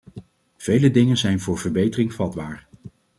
Vele dingen zijn voor verbetering vatbaar.